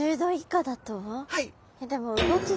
はい。